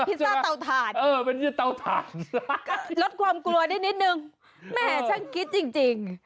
พิซซ่าเต้าถ่าดนะครับรวมครวดได้นิดนึงแหม่ฉันคิดจริง